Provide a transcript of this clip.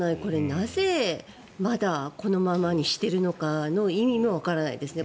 なぜ、まだこのままにしているのかの意味もわからないですね。